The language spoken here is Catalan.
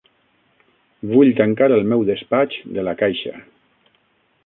Vull tancar el meu despatx de La Caixa.